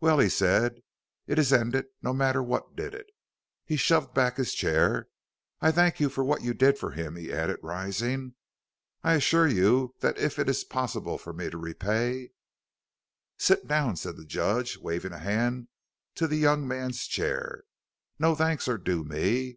"Well," he said, "it is ended, no matter what did it." He shoved back his chair. "I thank you for what you did for him," he added, rising; "I assure you that if it is possible for me to repay " "Sit down," said the judge, waving a hand to the young man's chair. "No thanks are due me.